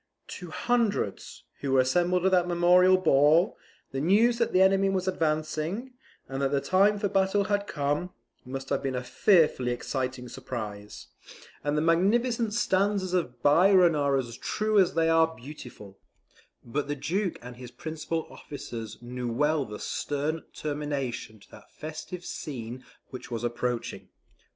To hundreds, who were assembled at that memorable ball, the news that the enemy was advancing, and that the time for battle had come, must have been a fearfully exciting surprise, and the magnificent stanzas of Byron are as true as they are beautiful; but the Duke and his principal officers knew well the stern termination to that festive scene which was approaching.